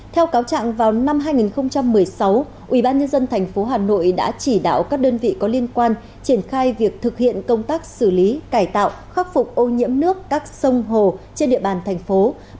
theo cáo trạng vào năm hai nghìn một mươi sáu ủy ban nhân dân thành phố hà nội đã chỉ đạo các đơn vị có liên quan triển khai việc thực hiện công tác xử lý cải tạo khắc phục ô nhiễm nước các sông hồ trên địa bàn thành phố